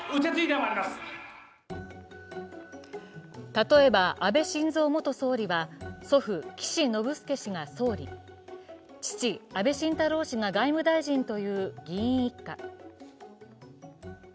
例えば安倍晋三元総理は祖父・岸信介氏が総理、父・安倍晋太郎氏が外務大臣という議員一家。